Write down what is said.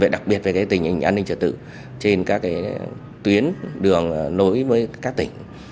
đặc biệt về tình hình an ninh trật tự trên các tuyến đường nối với các tỉnh